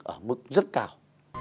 ở mức rất cao